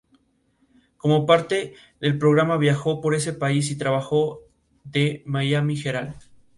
Como parte del programa viajó por ese país y trabajó en The Miami Herald.